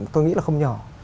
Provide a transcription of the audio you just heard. tôi nghĩ là không nhỏ